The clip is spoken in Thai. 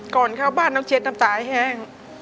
ก่อนเข้าบ้านน้องเช็ดน้ำตาแห้ง